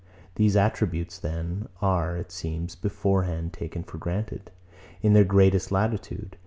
These attributes then, are, it seems, beforehand, taken for granted, in their greatest latitude.